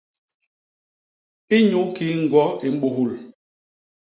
Inyukii ñgwo i mbuhul?